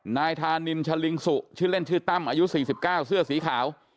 นายธานินชะลิงสุชื่อเล่นชื่อตั้มอายุ๔๙เสื้อสีขาว